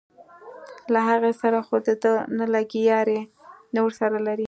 له هغې سره خو دده نه لګي یاري نه ورسره لري.